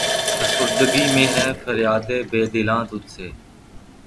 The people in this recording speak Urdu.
فسردگی میں ہے فریادِ بے دلاں تجھ سے